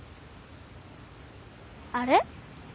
あれ？